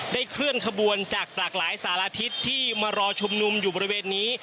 เคลื่อนขบวนจากหลากหลายสารทิศที่มารอชุมนุมอยู่บริเวณนี้